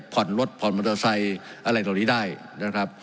ผ่อนรถผ่อนมอเตอร์ไซค์อะไรเหล่านี้ได้นะครับ